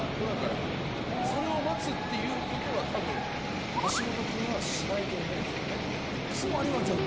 それを待つっていう事は多分橋本君はしないと思うんですよね。